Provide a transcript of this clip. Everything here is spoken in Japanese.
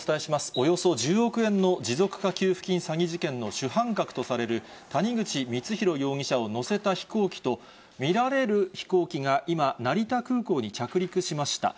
およそ１０億円の持続化給付金詐欺事件の主犯格とされる谷口光弘容疑者を乗せた飛行機と見られる飛行機が今、成田空港に着陸しました。